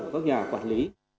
của các nhà quản lý